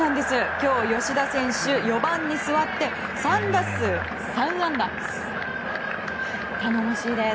今日、吉田選手４番に座って３打数３安打です。